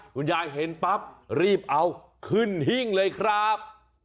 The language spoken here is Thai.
เห็นปั๊บรีบเอาขึ้นหิ้งเลยครับ